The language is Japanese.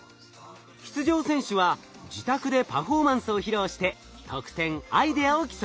出場選手は自宅でパフォーマンスを披露して得点アイデアを競います。